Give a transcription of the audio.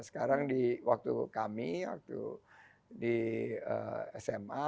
sekarang di waktu kami waktu di sma